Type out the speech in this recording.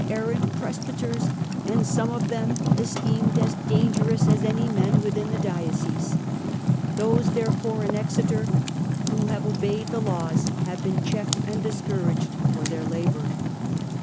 arrant Presbyters, and some of them esteemed as dangerous as any men within the diocese ; those there fore in Exeter who have obeyed the laws have been checked and discouraged for their labour.